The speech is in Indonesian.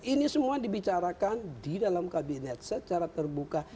ini semua dibicarakan di dalam kabinet secara terbuka